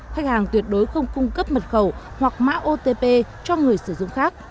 khách hàng tuyệt đối không cung cấp mật khẩu hoặc mã otp cho người sử dụng khác